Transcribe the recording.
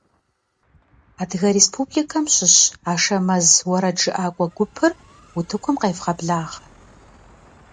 Адыгэ республикэм щыщ «Ашэмэз» уэрэджыӏакӏуэ гупыр утыкум къевгъэблагъэ!